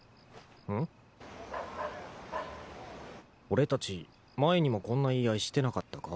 俺たち前にもこんな言い合いしてなかったか？